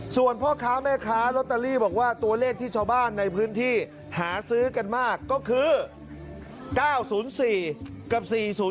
ส่วนพ่อค้าแม่ค้าลอตเตอรี่บอกว่าตัวเลขที่ชาวบ้านในพื้นที่หาซื้อกันมากก็คือ๙๐๔กับ๔๐